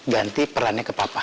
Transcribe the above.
ganti perannya ke papa